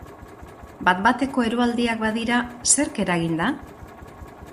Bat bateko eroaldiak badira, zerk eraginda?